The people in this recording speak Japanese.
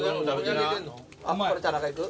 これ田中いく？